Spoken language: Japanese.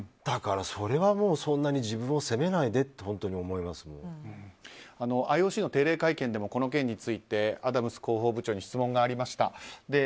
だから、それはもうそんなに自分を責めないでってＩＯＣの定例会見でもこの件に関してアダムス広報部長に質問がありました。